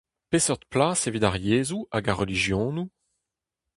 Peseurt plas evit ar yezhoù hag ar relijionoù ?